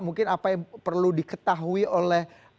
mungkin apa yang perlu diketahui oleh